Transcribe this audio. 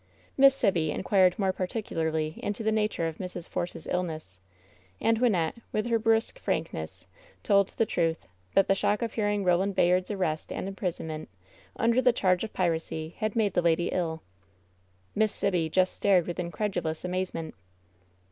Miss Sibby inquired more particularly into the nature of Mrs. Force's illness ; and Wynnette, with her brusque frankness, told the truth — that the shock of hearing of Roland Bayard's arrest and imprisonment, under the charge of piracy, had made the lady ill. Miss Sibby just stared with incredulous amazement.